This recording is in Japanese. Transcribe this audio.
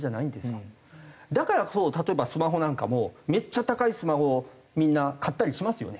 だから例えばスマホなんかもめっちゃ高いスマホをみんな買ったりしますよね？